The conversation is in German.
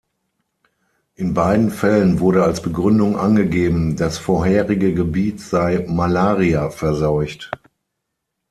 In beiden Fällen wurde als Begründung angegeben, das vorherige Gebiet sei Malaria-verseucht.